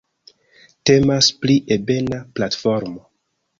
Temas pri ebena platformo.